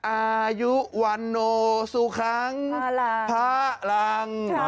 อายุวันโนสุคังพระหลัง